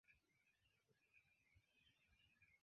Mi ŝatas vidi pli da idaj filmoj